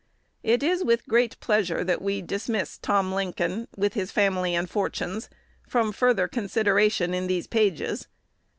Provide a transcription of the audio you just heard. It is with great pleasure that we dismiss Tom Lincoln, with his family and fortunes, from further consideration in these pages.